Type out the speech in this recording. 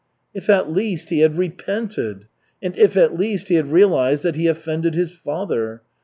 "If at least he had repented! And if at least he had realized that he offended his father!